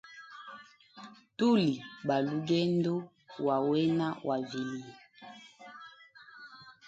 Tuli balugendo wa wena wa vilye.